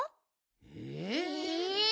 え？